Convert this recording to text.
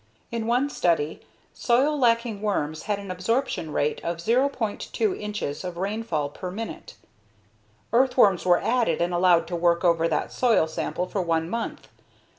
In one study, soil lacking worms had an absorption rate of 0.2 inches of rainfall per minute. Earthworms were added and allowed to work over that soil sample for one month.